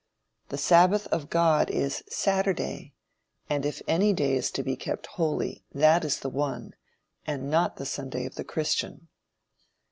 The sabbath of God is Saturday, and if any day is to be kept holy, that is the one, and not the Sunday of the Christian.